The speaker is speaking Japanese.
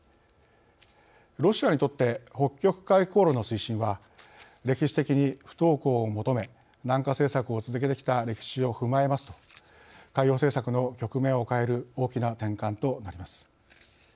ロシアにとって北極海航路の推進は歴史的に不凍港を求め南下政策を続けてきた歴史を踏まえますと海洋政策の局面を変える大きな転換となります。